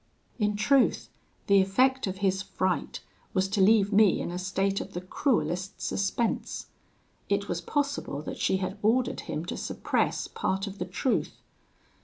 "In truth, the effect of his fright was to leave me in a state of the cruellest suspense. It was possible that she had ordered him to suppress part of the truth.